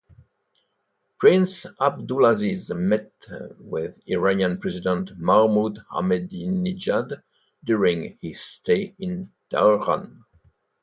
Prince Abdulaziz met with Iranian President Mahmud Ahmedinejad during his stay in Tahran.